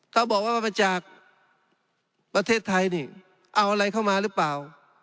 เขาบอกว่ามาจากประเทศไทยนี่เอาอะไรเข้ามาหรือเปล่า